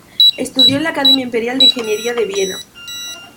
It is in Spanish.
Estudió en la Academia Imperial de Ingeniería de Viena.